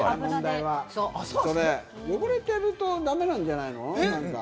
汚れてるとダメなんじゃないの？